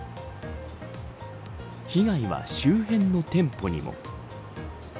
被害は周辺の店舗にも。